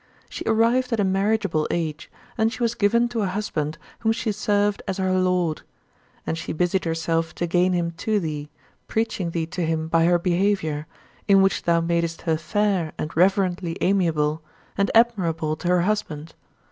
She arrived at a marriageable age, and she was given to a husband whom she served as her lord. And she busied herself to gain him to thee, preaching thee to him by her behavior, in which thou madest her fair and reverently amiable, and admirable to her husband.